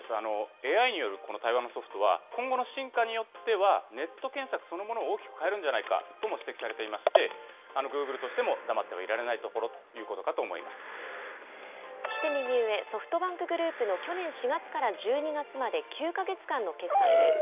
ＡＩによるこの対話のソフトは、今後の進化によってはネット検索そのものを大きく変えるんじゃないかとも指摘されていまして、グーグルとしても黙ってはいられなそして右上、ソフトバンクグループの去年４月から１２月まで、９か月間の決算です。